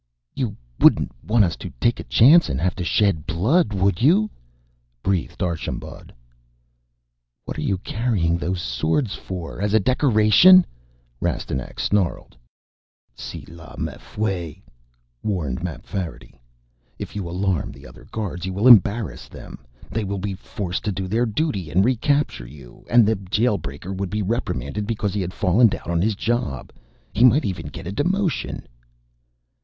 "You wouldn't want us to take a chance and have to shed blood, would you?" breathed Archambaud. "What are you carrying those swords for? As a decoration?" Rastignac snarled. "Seelahs, m'fweh," warned Mapfarity. "If you alarm the other guards, you will embarrass them. They will be forced to do their duty and recapture you. And the Jail breaker would be reprimanded because he had fallen down on his job. He might even get a demotion."